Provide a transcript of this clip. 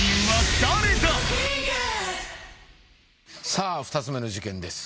さあ２つ目の事件です